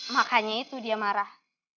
makanya itu dia marah